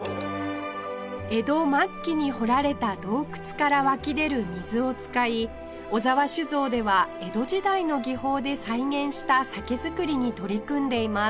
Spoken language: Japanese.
江戸末期に掘られた洞窟から湧き出る水を使い小澤酒造では江戸時代の技法で再現した酒造りに取り組んでいます